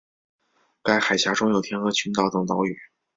该海峡中有天鹅群岛等岛屿。